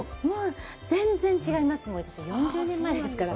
もう全然違います。